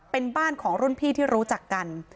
เป็นบ้านของรุ่นพี่ที่รู้จักกัน